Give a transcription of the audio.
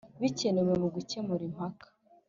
Bikenewe mu gukemura impaka